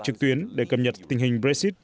trực tuyến để cập nhật tình hình brexit